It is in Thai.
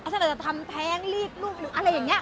ฉันอาจจะทำแพ้งลีกลูกอะไรอย่างเงี้ย